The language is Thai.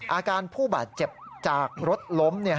อาการผู้บาดเจ็บจากรถล้ม